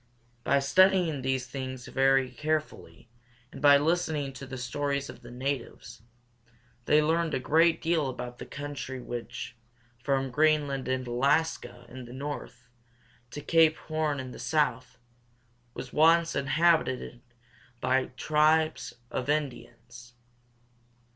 By studying these things very carefully, and by listening to the stories of the natives, they learned a great deal about the country which, from Greenland and A las´ka in the north, to Cape Horn in the south, was once inhabited by tribes of Indians.